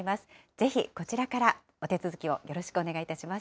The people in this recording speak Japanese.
ぜひこちらからお手続きをよろしくお願いいたします。